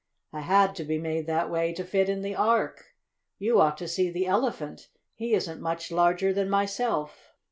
"I had to be made that way to fit in the Ark. You ought to see the Elephant. He isn't much larger than myself!"